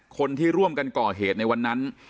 คนที่ร่วมกันก่อเหตุในวันนั้น